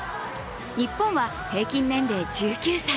日本は平均年齢１９歳。